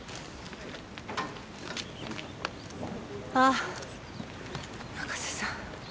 ああ中瀬さん。